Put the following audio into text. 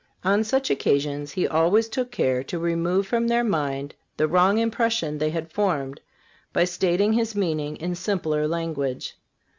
On such occasions He always took care to remove from their mind the wrong impression they had formed by stating His meaning in simpler language.